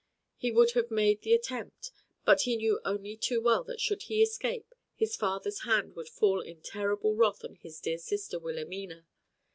He would have made the attempt, but he knew only too well that should he escape his father's hand would fall in terrible wrath on his dear sister Wilhelmina.